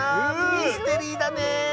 ミステリーだね！